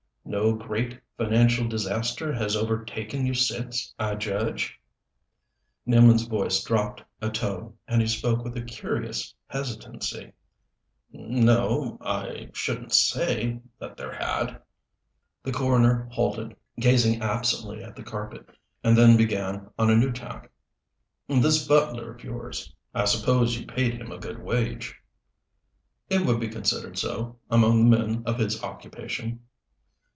"No great financial disaster has overtaken you since, I judge?" Nealman's voice dropped a tone, and he spoke with a curious hesitancy. "No. I shouldn't say that there had." The coroner halted, gazing absently at the carpet, and then began on a new tack. "This butler of yours I suppose you paid him a good wage?" "It would be considered so, among the men of his occupation."